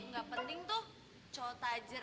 gak penting tuh cowok tajer